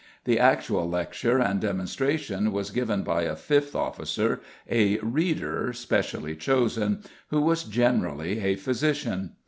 The actual lecture and demonstration was given by a fifth officer, a "reader" specially chosen, who was generally a physician.